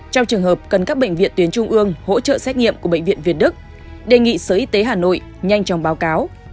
trong trường hợp cần các bệnh viện tuyến trung ương hỗ trợ xét nghiệm của bệnh viện việt đức đề nghị sở y tế hà nội nhanh chóng báo cáo